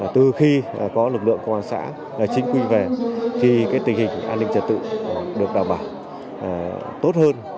từ khi có lực lượng công an xã chính quy về thì tình hình an ninh trật tự được đảm bảo tốt hơn